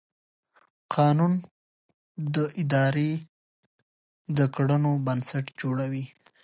قانون د ادارې د کړنو بنسټ جوړوي.